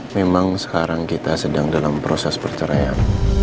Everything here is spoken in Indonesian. memang sekarang kita sedang dalam proses perceraian